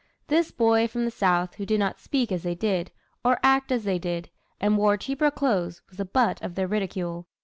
This boy from the South who did not speak as they did, or act as they did, and wore cheaper clothes, was the butt of their ridicule.